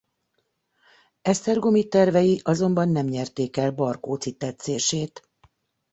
Esztergomi tervei azonban nem nyerték el Barkóczy tetszését.